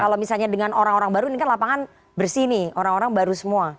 kalau misalnya dengan orang orang baru ini kan lapangan bersih nih orang orang baru semua